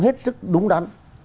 hết sức đúng đắn